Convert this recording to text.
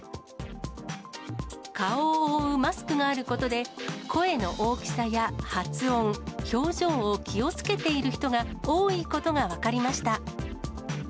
顔を覆うマスクがあることで、声の大きさや発音、表情を気をつけている人が多いことが分かりました。